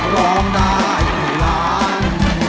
ร้องได้ให้ล้าน